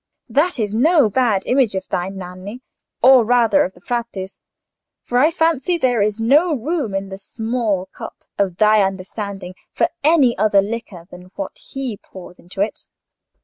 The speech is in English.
That is no bad image of thine, Nanni—or, rather, of the Frate's; for I fancy there is no room in the small cup of thy understanding for any other liquor than what he pours into it."